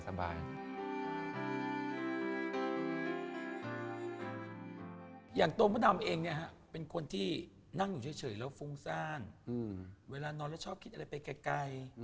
อเจมส์อย่างตัวพระนำเองเป็นคนที่นั่งอยู่เฉยแล้วฟุ้งซ่านเวลานอนแล้วชอบคิดอะไรไปไกล